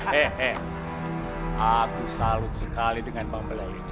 he he aku salut sekali dengan bang belal ini